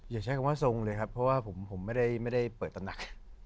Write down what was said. อย่าใช้คำว่าทรงเลยครับเพราะว่าผมไม่ได้เปิดตำหนัก